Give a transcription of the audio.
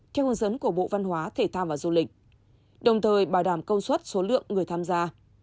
theo hướng dẫn của bộ văn hóa thể thao và du lịch đồng thời bảo đảm công suất số lượng người tham gia